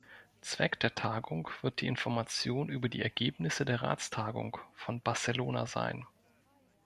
Zweck der Tagung wird die Information über die Ergebnisse der Ratstagung von Barcelona sein.